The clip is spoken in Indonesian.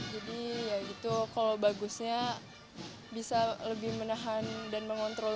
jadi ya gitu kalau bagusnya bisa lebih menahan dan mengontrol